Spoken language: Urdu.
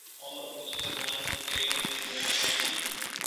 اور اردو زبان میں ایک نئی ویب سائٹ